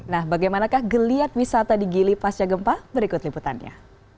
nah bagaimanakah geliat wisata di gili pasca gempa berikut liputannya